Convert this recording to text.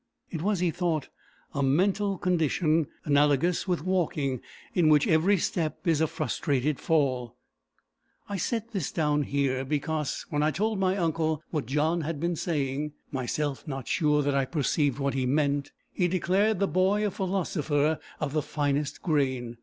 It was, he thought, a mental condition analogous with walking, in which every step is a frustrated fall. I set this down here, because, when I told my uncle what John had been saying, myself not sure that I perceived what he meant, he declared the boy a philosopher of the finest grain.